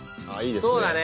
そうだね。